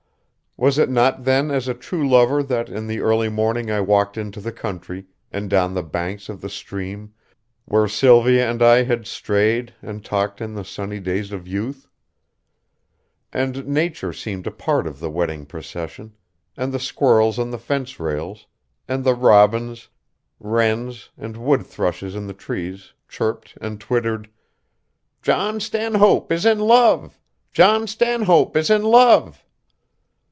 Was it not then as a true lover that in the early morning I walked into the country, and down the banks of the stream where Sylvia and I had strayed and talked in the sunny days of youth? And nature seemed a part of the wedding procession, and the squirrels on the fence rails, and the robins, wrens, and wood thrushes in the trees chirped and twittered: "John Stanhope is in love! John Stanhope is in love!"